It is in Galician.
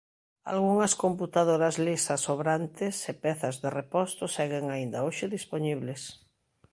Algunhas computadoras Lisa sobrantes e pezas de reposto seguen aínda hoxe dispoñibles.